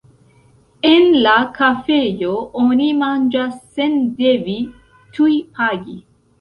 En la kafejo oni manĝas sen devi tuj pagi.